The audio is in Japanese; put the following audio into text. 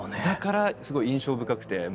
だからすごい印象深くて。